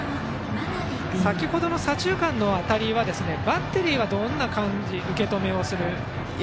先程の左中間の当たりはバッテリーはどんな受け止めをしていますか。